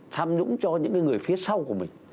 tham nhũng cho những người phía sau của mình